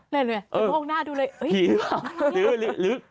แล้วโมงหน้าดูเลยพีหรือเปล่า